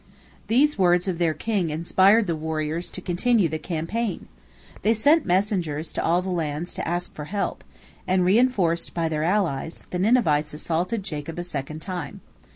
These words of their king inspired the warriors to continue the campaign. They sent messengers to all the lands to ask for help, and, reinforced by their allies, the Ninevites assaulted Jacob a second time.